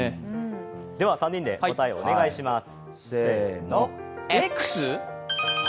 ３人で答えをお願いします。